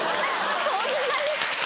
そんなに？